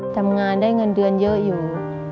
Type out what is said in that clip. ทำงานได้เงินเดือนเยอะอยู่